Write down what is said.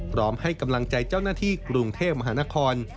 พร้อมให้กำลังใจเจ้าหน้าที่กรุงเทพมหานคร